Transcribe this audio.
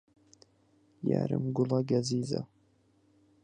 یارم گوڵە گەزیزە